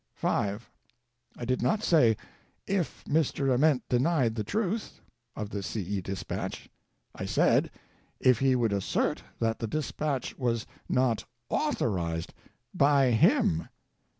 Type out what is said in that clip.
(5.) I did not say "if Mr. Ament denied the truth" of the C. E. dispatch: I said, if he would assert that the dispatch was not "authorized" ly Mm.